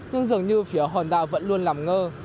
nhưng dường như phía honda vẫn luôn làm ngơ